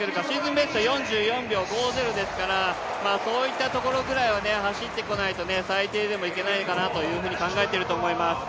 ベスト４４秒５０ですから、そういったところぐらいは走ってこないと最低でもいけないかなと考えていると思います。